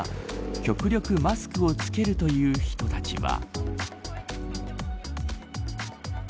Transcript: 極力、マスクを着けるという人たちは。